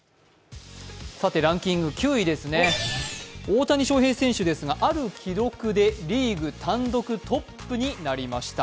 らんきんぐ９位ですね大谷翔平選手ですがある記録でリーグ単独トップになりました。